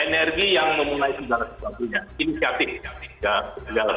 energi yang memulai segala sesuatu